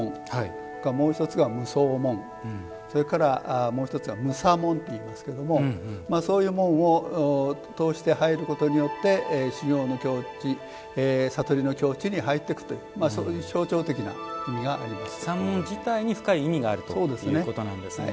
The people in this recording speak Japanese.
それからもう１つが無相門それから、もう一つが無作門と言いますけれどもそういう門を通して入ることによって修行の境地悟りの境地に入っていくと三門自体に深い意味があるということなんですね。